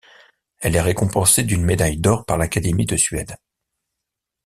Elle est récompensée d’une médaille d’or par l’Académie de Suède.